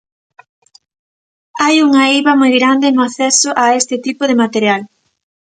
Hai unha eiva moi grande no acceso a este tipo de material.